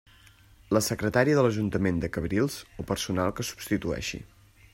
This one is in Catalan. La secretària de l'Ajuntament de Cabrils o personal que substitueixi.